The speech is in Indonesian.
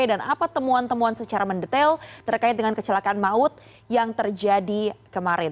dan apa temuan temuan secara mendetail terkait dengan kecelakaan maut yang terjadi kemarin